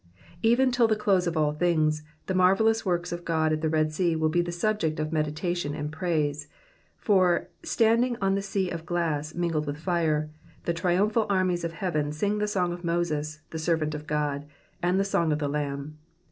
'* £ven till the close of all things, the marvellous works of Qod at the Red Sea will be the subject of meditation and praise ; for, standing on the sea of glass mingled with fire, the triumphal armies of heaven sing the song of Moses, the servant of God, and the song of the Lamb.